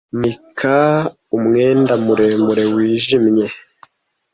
manika umwenda muremure wijimye